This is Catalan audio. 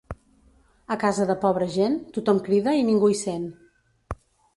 A casa de pobra gent, tothom crida i ningú hi sent.